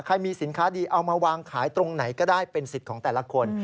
มีสินค้าดีเอามาวางขายตรงไหนก็ได้เป็นสิทธิ์ของแต่ละคน